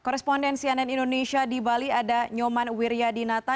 koresponden cnn indonesia di bali ada nyoman wiryadinata